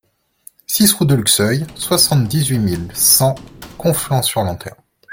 six route de Luxeuil, soixante-dix mille huit cents Conflans-sur-Lanterne